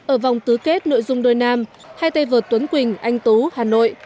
ở vòng tứ kết nội dung đôi nam hai tay vợt tuấn quỳnh anh tú hà nội